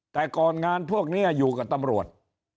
แต่ก่อนงานพวกนี้อยู่กับตำรวจ